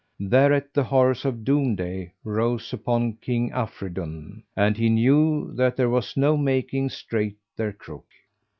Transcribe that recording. Thereat the horrors of Doomday rose upon King Afridun,[FN#405] and he knew that there was no making straight their crook.